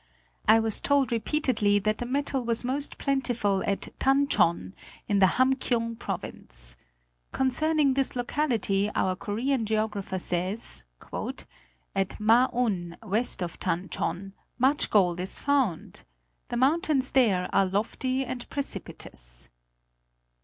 I was told repeatedly that the metal was most plentiful at Tan chhon, in the Ham kiung province. Concerning this locality our Korean geographer says, "at Ma un, west of Tan chhon, much gold is found. The mountains there are lofty and precipitous."